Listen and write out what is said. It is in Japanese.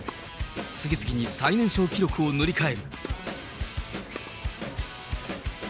次々に最年少記録を塗り替える。